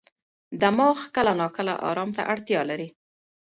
دماغ کله ناکله ارام ته اړتیا لري.